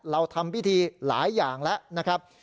เราทำพิธีหลายอย่างแล้วนะครับ